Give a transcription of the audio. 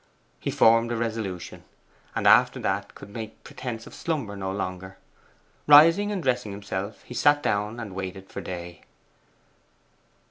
He formed a resolution; and after that could make pretence of slumber no longer. Rising and dressing himself, he sat down and waited for day.